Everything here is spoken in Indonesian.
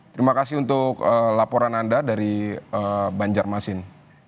terima kasih untuk laporan anda dari banjarmasin